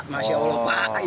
masya allah pak